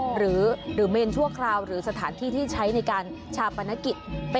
หรือเมนชั่วคราวหรือสถานที่ที่ใช้ในการชาปนกิจ